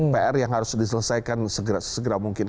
pr yang harus diselesaikan segera mungkin